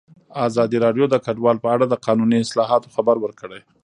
ازادي راډیو د کډوال په اړه د قانوني اصلاحاتو خبر ورکړی.